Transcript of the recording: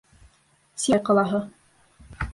Сибай ҡалаһы.